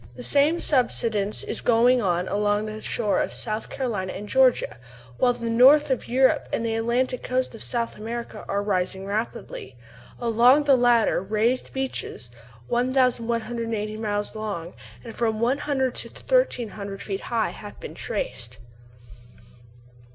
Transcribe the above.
The same subsidence is going on along the shore of South Carolina and Georgia, while the north of Europe and the Atlantic coast of South America are rising rapidly. Along the latter raised beaches, 1180 miles long and from 100 to 1300 feet high, have been traced.